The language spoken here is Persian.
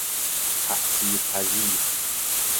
تأثیر پذیر